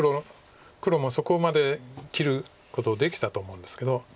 黒もそこまで切ることできたと思うんですけど。